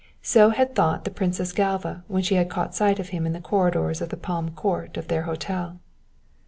So had thought the Princess Galva when she had caught sight of him in the corridors or in the Palm Court of their hotel.